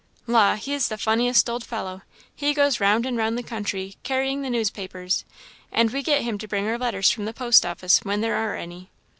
"La! he's the funniest old fellow! He goes round and round the country, carrying the news papers; and we get him to bring our letters from the post office, when there are any.